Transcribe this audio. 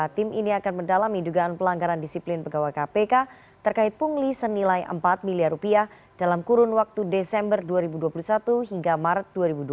tim ini akan mendalami dugaan pelanggaran disiplin pegawai kpk terkait pungli senilai empat miliar rupiah dalam kurun waktu desember dua ribu dua puluh satu hingga maret dua ribu dua puluh